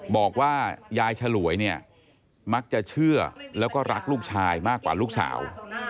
บอกว่ายายฉลวยเนี่ยมักจะเชื่อแล้วก็รักลูกชายมากกว่าลูกสาว